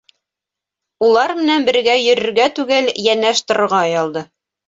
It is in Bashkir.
Улар менән бергә йөрөргә түгел, йәнәш торорға оялды.